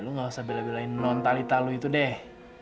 lu nggak usah bela belain nontalita lu itu deh